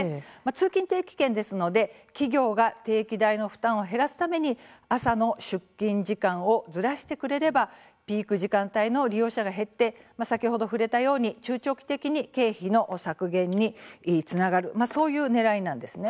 通勤定期券ですので、企業が定期代の負担を減らすために朝の出勤時間をずらしてくれればピーク時間帯の利用者が減って先ほど触れたように中長期的に経費の削減につながるそういうねらいなんです。